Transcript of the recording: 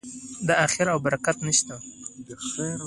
د خیر او برکت نښه ده.